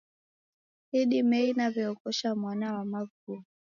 Idimei naw'eoghosha mwana wa Wavua.